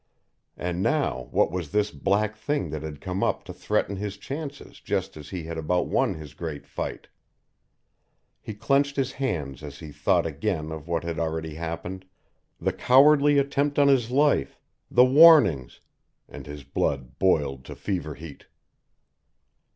And now what was this black thing that had come up to threaten his chances just as he had about won his great fight? He clenched his hands as he thought again of what had already happened the cowardly attempt on his life, the warnings, and his blood boiled to fever heat.